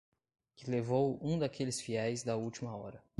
que levou um daqueles fiéis da última hora